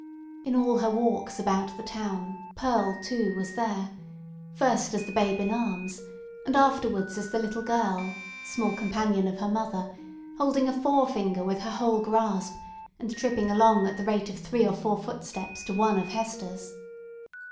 In all her walks about the town, Pearl, too, was there: first as the babe in arms, and afterwards as the little girl, small companion of her mother, holding a forefinger with her whole grasp, and tripping along at the rate of three or four footsteps to one of Hester's.